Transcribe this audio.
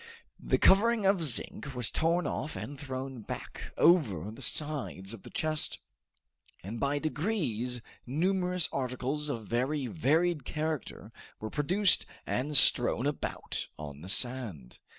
The covering of zinc was torn off and thrown back over the sides of the chest, and by degrees numerous articles of very varied character were produced and strewn about on the sand.